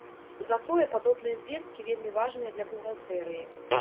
Затое падобныя звесткі вельмі важныя для бухгалтэрыі.